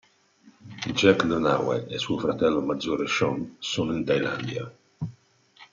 Jake Donahue e suo fratello maggiore Sean sono in Tailandia.